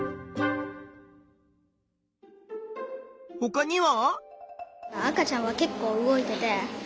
ほかには？